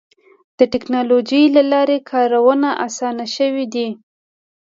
د ټکنالوجۍ له لارې کارونه اسانه شوي دي.